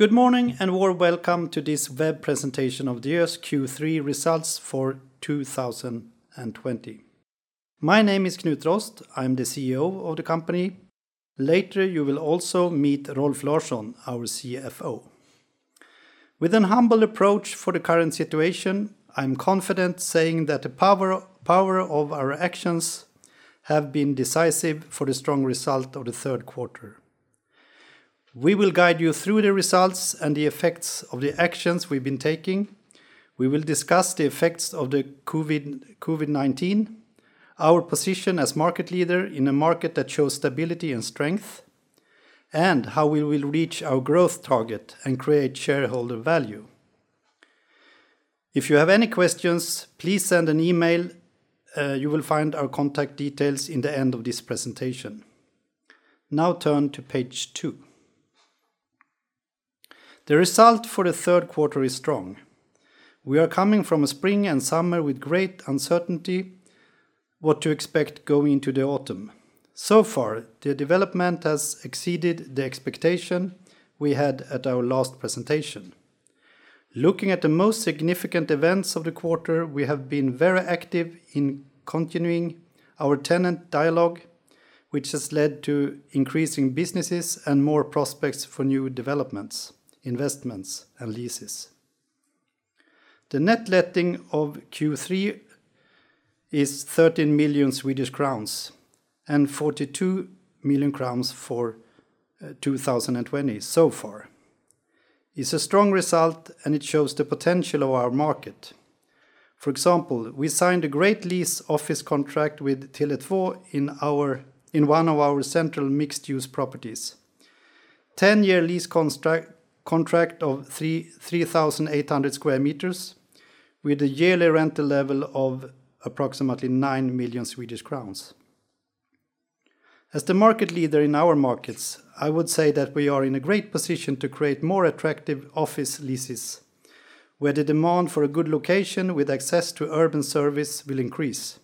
Good morning and warm welcome to this web presentation of Diös Q3 results for 2020. My name is Knut Rost. I'm the CEO of the company. Later, you will also meet Rolf Larsson, our CFO. With a humble approach for the current situation, I'm confident saying that the power of our actions have been decisive for the strong result of the third quarter. We will guide you through the results and the effects of the actions we've been taking. We will discuss the effects of the COVID-19, our position as market leader in a market that shows stability and strength, and how we will reach our growth target and create shareholder value. If you have any questions, please send an email. You will find our contact details in the end of this presentation. Now turn to page two. The result for the third quarter is strong. We are coming from a spring and summer with great uncertainty what to expect going into the autumn. So far, the development has exceeded the expectation we had at our last presentation. Looking at the most significant events of the quarter, we have been very active in continuing our tenant dialogue, which has led to increasing businesses and more prospects for new developments, investments, and leases. The net letting of Q3 is 13 million Swedish crowns and 42 million crowns for 2020 so far. It's a strong result, and it shows the potential of our market. For example, we signed a great lease office contract with Tele2 in one of our central mixed-use properties. 10-year lease contract of 3,800 sq m with a yearly rental level of approximately 9 million Swedish crowns. As the market leader in our markets, I would say that we are in a great position to create more attractive office leases, where the demand for a good location with access to urban service will increase.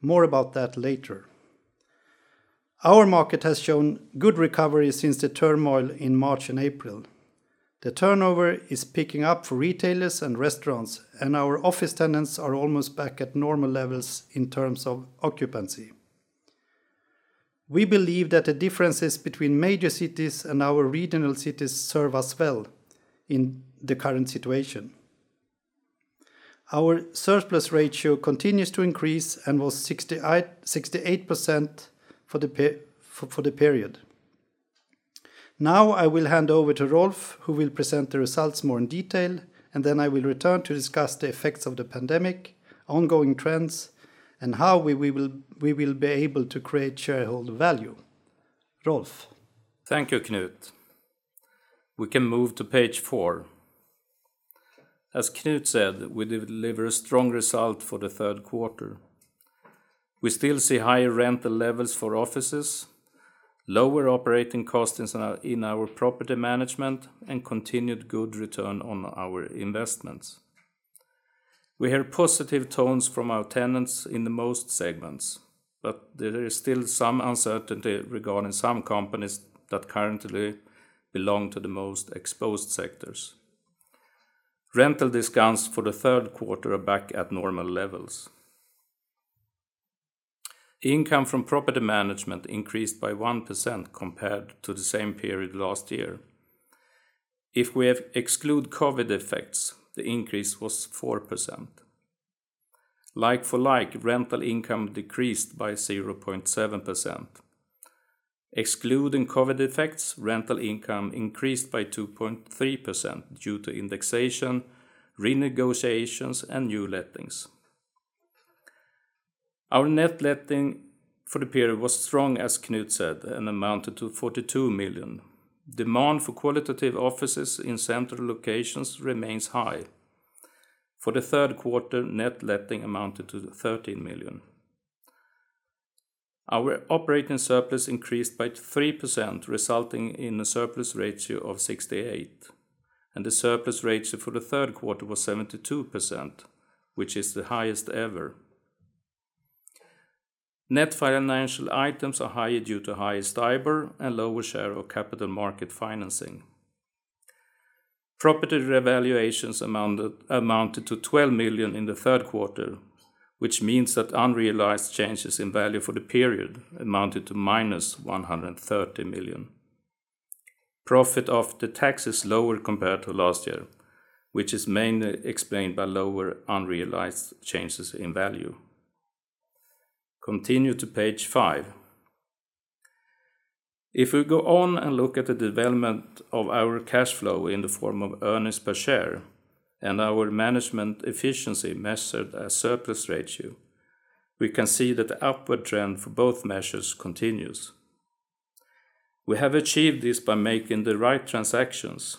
More about that later. Our market has shown good recovery since the turmoil in March and April. The turnover is picking up for retailers and restaurants, and our office tenants are almost back at normal levels in terms of occupancy. We believe that the differences between major cities and our regional cities serve us well in the current situation. Our surplus ratio continues to increase and was 68% for the period. I will hand over to Rolf, who will present the results more in detail, and then I will return to discuss the effects of the pandemic, ongoing trends, and how we will be able to create shareholder value. Rolf? Thank you, Knut. We can move to page four. As Knut said, we deliver a strong result for the third quarter. We still see higher rental levels for offices, lower operating costs in our property management, and continued good return on our investments. We heard positive tones from our tenants in the most segments, but there is still some uncertainty regarding some companies that currently belong to the most exposed sectors. Rental discounts for the third quarter are back at normal levels. Income from property management increased by 1% compared to the same period last year. If we exclude COVID effects, the increase was 4%. Like for like, rental income decreased by 0.7%. Excluding COVID effects, rental income increased by 2.3% due to indexation, renegotiations, and new lettings. Our net letting for the period was strong, as Knut said, and amounted to 42 million. Demand for qualitative offices in central locations remains high. For the third quarter, net letting amounted to 13 million. Our operating surplus increased by 3%, resulting in a surplus ratio of 68%, and the surplus ratio for the third quarter was 72%, which is the highest ever. Net financial items are higher due to higher STIBOR and lower share of capital market financing. Property revaluations amounted to 12 million in the third quarter, which means that unrealized changes in value for the period amounted to minus 130 million. Profit after tax is lower compared to last year, which is mainly explained by lower unrealized changes in value. Continue to page five. If we go on and look at the development of our cash flow in the form of earnings per share and our management efficiency measured as surplus ratio, we can see that the upward trend for both measures continues. We have achieved this by making the right transactions.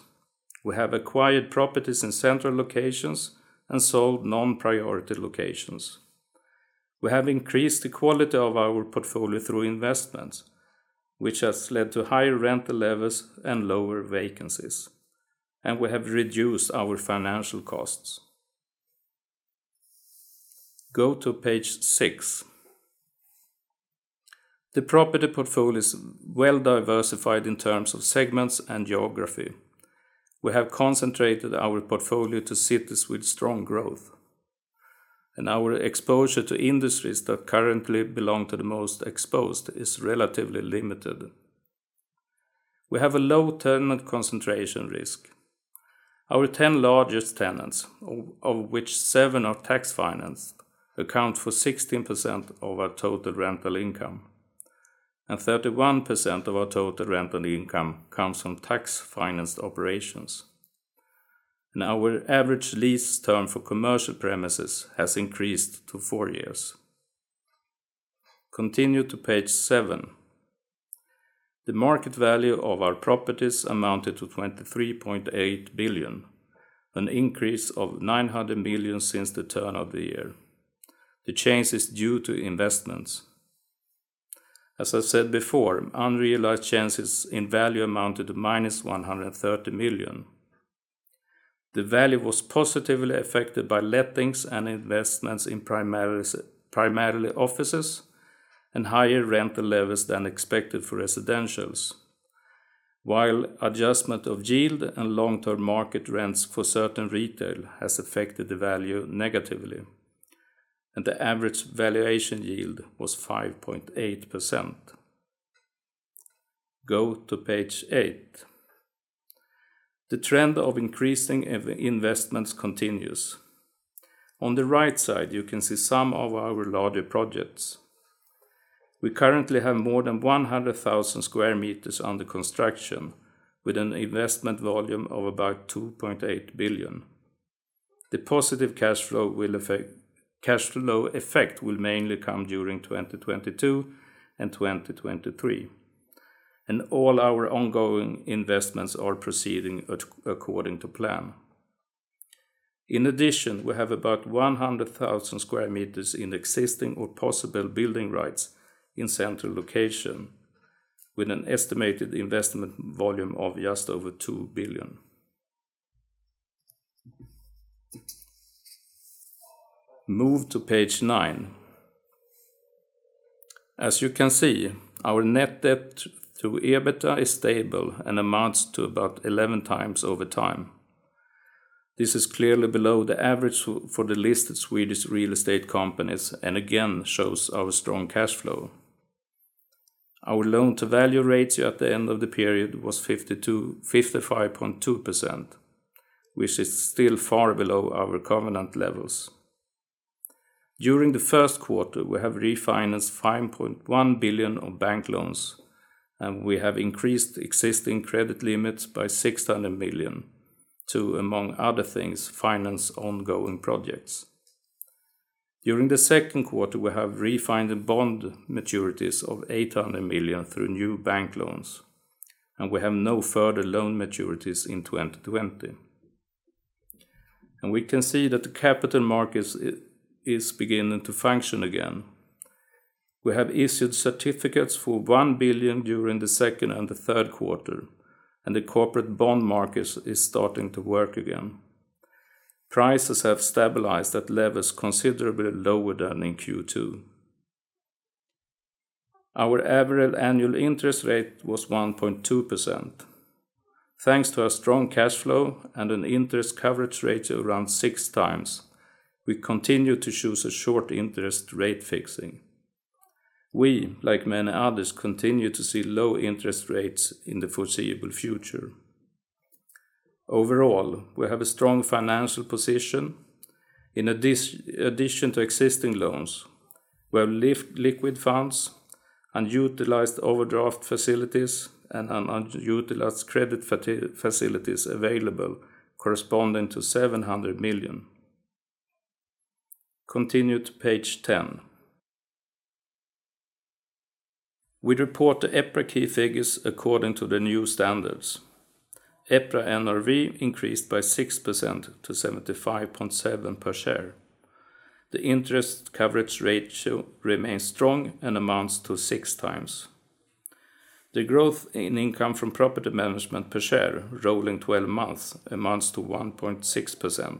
We have acquired properties in central locations and sold non-priority locations. We have increased the quality of our portfolio through investments, which has led to higher rental levels and lower vacancies, and we have reduced our financial costs. Go to page six. The property portfolio is well-diversified in terms of segments and geography. We have concentrated our portfolio to cities with strong growth, and our exposure to industries that currently belong to the most exposed is relatively limited. We have a low tenant concentration risk. Our 10 largest tenants, of which seven are tax-financed, account for 16% of our total rental income, and 31% of our total rental income comes from tax-financed operations. Our average lease term for commercial premises has increased to four years. Continue to page seven. The market value of our properties amounted to 23.8 billion, an increase of 900 million since the turn of the year. The change is due to investments. As I said before, unrealized changes in value amounted to minus 130 million. The value was positively affected by lettings and investments in primarily offices and higher rental levels than expected for residentials. While adjustment of yield and long-term market rents for certain retail has affected the value negatively, and the average valuation yield was 5.8%. Go to page eight. The trend of increasing investments continues. On the right side, you can see some of our larger projects. We currently have more than 100,000 sq m under construction with an investment volume of about 2.8 billion. The positive cash flow effect will mainly come during 2022 and 2023, and all our ongoing investments are proceeding according to plan. In addition, we have about 100,000 sq m in existing or possible building rights in central location with an estimated investment volume of just over 2 billion. Move to page nine. As you can see, our net debt to EBITDA is stable and amounts to about 11x over time. This is clearly below the average for the listed Swedish real estate companies and again shows our strong cash flow. Our loan-to-value ratio at the end of the period was 55.2%, which is still far below our covenant levels. During the first quarter, we have refinanced 5.1 billion of bank loans, and we have increased existing credit limits by 600 million to, among other things, finance ongoing projects. During the second quarter, we have refinanced bond maturities of 800 million through new bank loans, and we have no further loan maturities in 2020. We can see that the capital markets is beginning to function again. We have issued certificates for 1 billion during the second and the third quarter, and the corporate bond market is starting to work again. Prices have stabilized at levels considerably lower than in Q2. Our average annual interest rate was 1.2%. Thanks to our strong cash flow and an interest coverage ratio of around 6x, we continue to choose a short interest rate fixing. We, like many others, continue to see low interest rates in the foreseeable future. Overall, we have a strong financial position. In addition to existing loans, we have liquid funds, unutilized overdraft facilities, and unutilized credit facilities available corresponding to 700 million. Continue to page 10. We report the EPRA key figures according to the new standards. EPRA NRV increased by 6% to 75.7 per share. The interest coverage ratio remains strong and amounts to 6x. The growth in income from property management per share, rolling 12 months, amounts to 1.6%.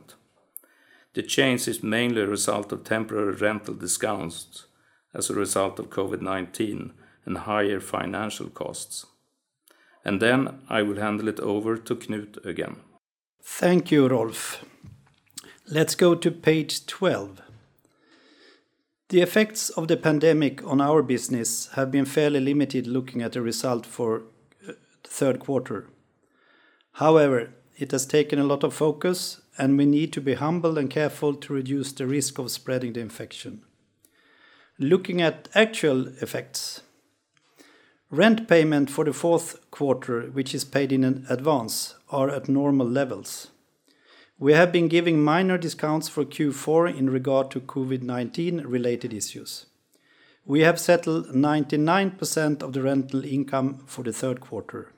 The change is mainly a result of temporary rental discounts as a result of COVID-19 and higher financial costs. I will hand it over to Knut again. Thank you, Rolf. Let's go to page 12. The effects of the pandemic on our business have been fairly limited looking at the result for the third quarter. It has taken a lot of focus, and we need to be humble and careful to reduce the risk of spreading the infection. Looking at actual effects. Rent payment for the fourth quarter, which is paid in advance, are at normal levels. We have been giving minor discounts for Q4 in regard to COVID-19-related issues. We have settled 99% of the rental income for the third quarter.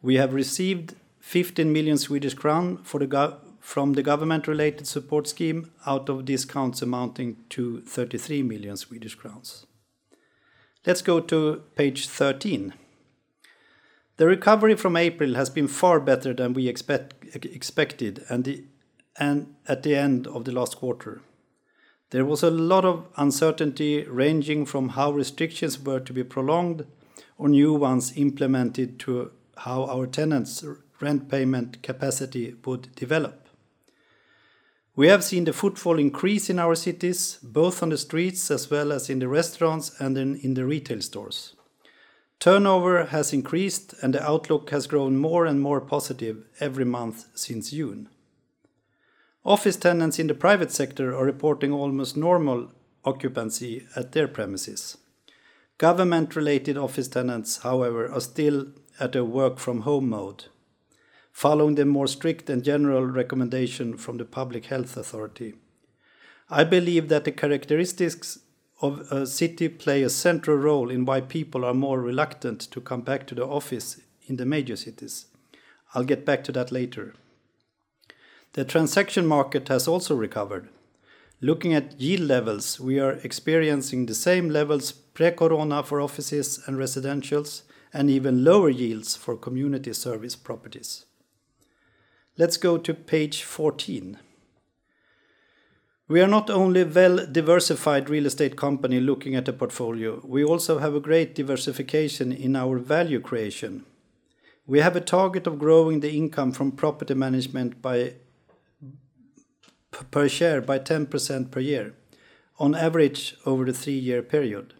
We have received 15 million Swedish crown from the government-related support scheme out of discounts amounting to 33 million Swedish crowns. Let's go to page 13. The recovery from April has been far better than we expected at the end of the last quarter. There was a lot of uncertainty ranging from how restrictions were to be prolonged or new ones implemented, to how our tenants' rent payment capacity would develop. We have seen the footfall increase in our cities, both on the streets as well as in the restaurants and in the retail stores. Turnover has increased, and the outlook has grown more and more positive every month since June. Office tenants in the private sector are reporting almost normal occupancy at their premises. Government-related office tenants, however, are still at a work-from-home mode following the more strict and general recommendation from the Public Health Agency of Sweden. I believe that the characteristics of a city play a central role in why people are more reluctant to come back to the office in the major cities. I'll get back to that later. The transaction market has also recovered. Looking at yield levels, we are experiencing the same levels pre-COVID-19 for offices and residentials, and even lower yields for community service properties. Let's go to page 14. We are not only a well-diversified real estate company looking at a portfolio, we also have a great diversification in our value creation. We have a target of growing the income from property management per share by 10% per year on average over the three-year period.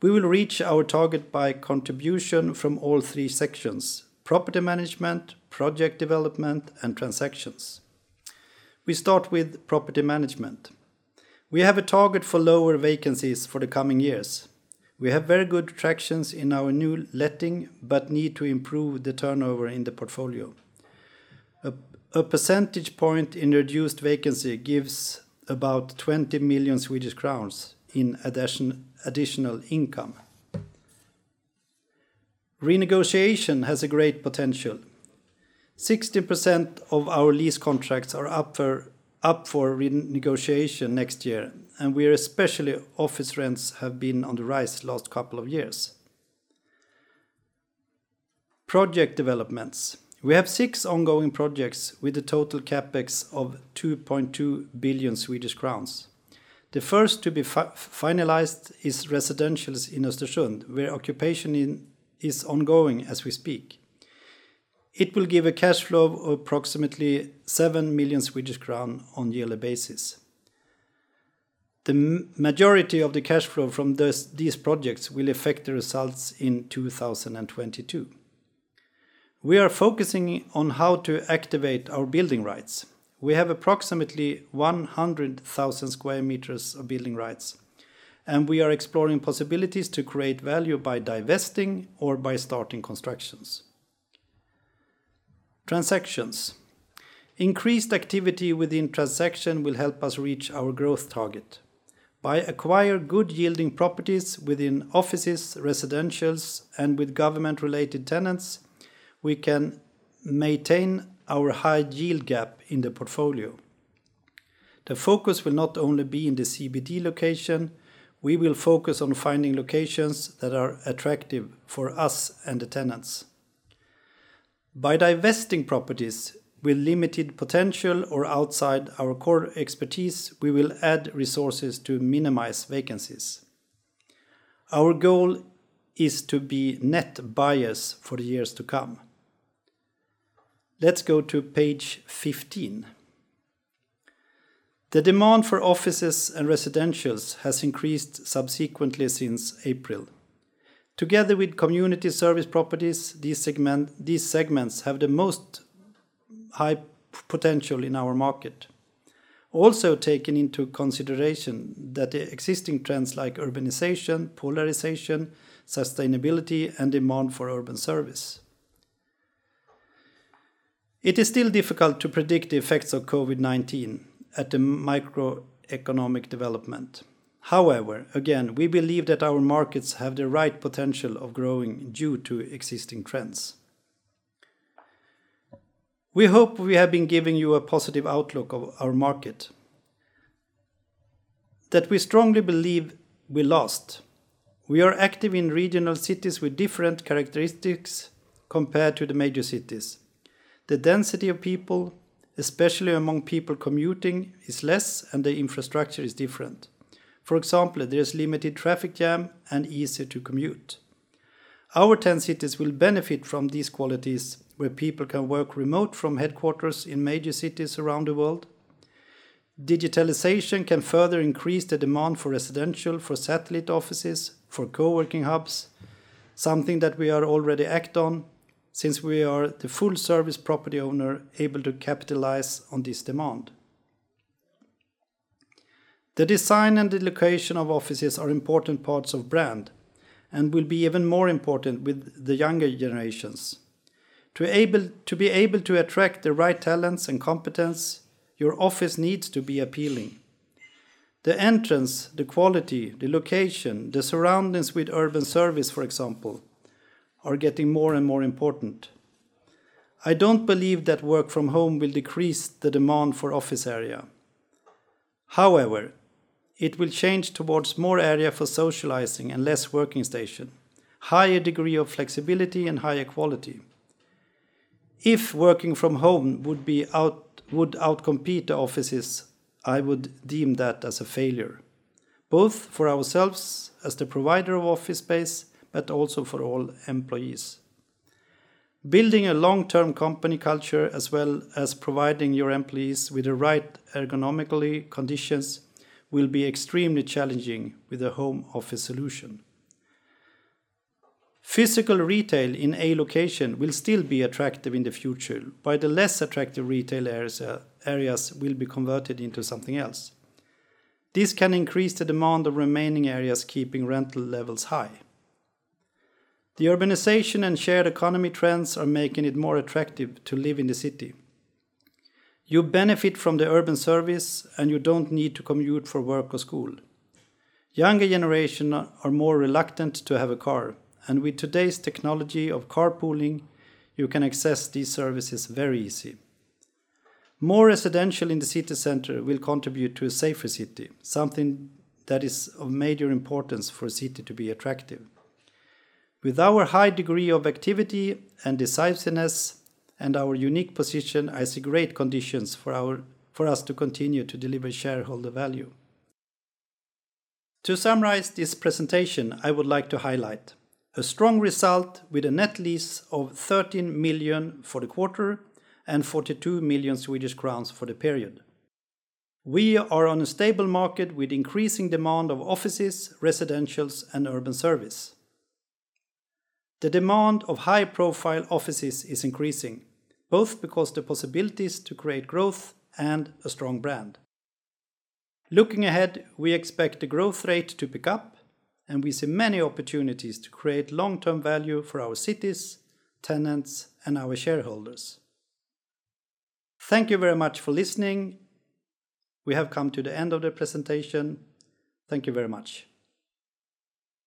We will reach our target by contribution from all three sections: property management, project development, and transactions. We start with property management. We have a target for lower vacancies for the coming years. We have very good tractions in our net letting but need to improve the turnover in the portfolio. A percentage point in reduced vacancy gives about 20 million Swedish crowns in additional income. Renegotiation has a great potential. 16% of our lease contracts are up for renegotiation next year. Especially office rents have been on the rise the last couple of years. Project developments. We have six ongoing projects with a total CapEx of 2.2 billion Swedish crowns. The first to be finalized is residentials in Östersund, where occupation is ongoing as we speak. It will give a cash flow of approximately 7 million Swedish crown on a yearly basis. The majority of the cash flow from these projects will affect the results in 2022. We are focusing on how to activate our building rights. We have approximately 100,000 sq m of building rights. We are exploring possibilities to create value by divesting or by starting constructions. Transactions. Increased activity within transaction will help us reach our growth target. By acquiring good-yielding properties within offices, residentials, and with government-related tenants, we can maintain our high yield gap in the portfolio. The focus will not only be in the CBD location, we will focus on finding locations that are attractive for us and the tenants. By divesting properties with limited potential or outside our core expertise, we will add resources to minimize vacancies. Our goal is to be net buyers for the years to come. Let's go to page 15. The demand for offices and residentials has increased subsequently since April. Together with community service properties, these segments have the most high potential in our market. We are also taking into consideration that existing trends like urbanization, polarization, sustainability, and demand for urban service. It is still difficult to predict the effects of COVID-19 at the microeconomic development. Again, we believe that our markets have the right potential of growing due to existing trends. We hope we have been giving you a positive outlook of our market that we strongly believe we are. We are active in regional cities with different characteristics compared to the major cities. The density of people, especially among people commuting, is less, and the infrastructure is different. For example, there is limited traffic jam and easier to commute. Our 10 cities will benefit from these qualities where people can work remote from headquarters in major cities around the world. Digitalization can further increase the demand for residential, for satellite offices, for co-working hubs, something that we are already act on since we are the full-service property owner able to capitalize on this demand. The design and the location of offices are important parts of brand and will be even more important with the younger generations. To be able to attract the right talents and competence, your office needs to be appealing. The entrance, the quality, the location, the surroundings with urban service, for example, are getting more and more important. I don't believe that work from home will decrease the demand for office area. However, it will change towards more area for socializing and less working station, higher degree of flexibility, and higher quality. If working from home would out-compete the offices, I would deem that as a failure, both for ourselves as the provider of office space, but also for all employees. Building a long-term company culture as well as providing your employees with the right ergonomically conditions will be extremely challenging with a home office solution. Physical retail in a location will still be attractive in the future, the less attractive retail areas will be converted into something else. This can increase the demand of remaining areas keeping rental levels high. The urbanization and shared economy trends are making it more attractive to live in the city. You benefit from the urban service, you don't need to commute for work or school. Younger generation are more reluctant to have a car, with today's technology of carpooling, you can access these services very easy. More residential in the city center will contribute to a safer city, something that is of major importance for a city to be attractive. With our high degree of activity and decisiveness and our unique position, I see great conditions for us to continue to deliver shareholder value. To summarize this presentation, I would like to highlight a strong result with a net letting of 13 million for the quarter and 42 million Swedish crowns for the period. We are on a stable market with increasing demand of offices, residentials, and urban service. The demand of high-profile offices is increasing, both because the possibilities to create growth and a strong brand. Looking ahead, we expect the growth rate to pick up, and we see many opportunities to create long-term value for our cities, tenants, and our shareholders. Thank you very much for listening. We have come to the end of the presentation. Thank you very much.